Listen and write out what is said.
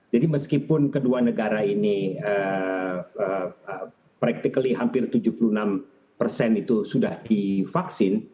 jadi meskipun kedua negara ini praktiknya hampir tujuh puluh enam persen itu sudah divaksin